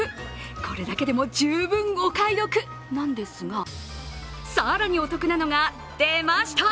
これだけでも十分お買い得なんですが、更にお得なのが、出ました！